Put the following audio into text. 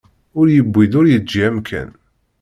Ur yewwiḍ ur yeǧǧi amekkan.